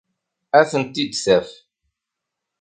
Ad ten-id-taf.